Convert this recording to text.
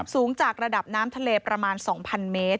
สูงจากระดับน้ำทะเลประมาณ๒๐๐เมตร